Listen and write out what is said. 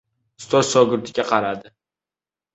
Ustoz shogirdiga qaradi.